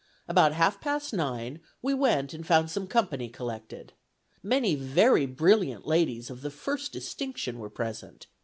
About half past nine, we went and found some company collected. Many very brilliant ladies of the first distinction were present.